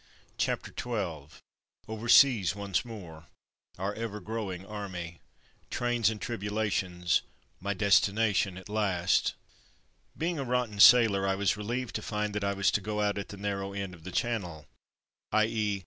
CHAPTER XII OVERSEAS ONCE MORE — OUR EVER GROWING ARMY — ^TRAINS AND TRIBULATIONS MY DESTINATION AT LAST Being a rotten sailor I was relieved to find that I was to go out at the narrow end of the Channel; i. e.